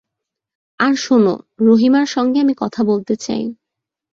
আর শোন, রহিমার সঙ্গে আমি কথা বলতে চাই!